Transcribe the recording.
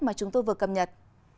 mà chúng tôi vừa cập nhật